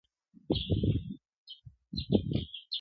زه به څنگه ستا ښکارونو ته زړه ښه کړم-